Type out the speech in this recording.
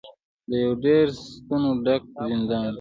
دا یو ډیر ستونزو ډک زندان و.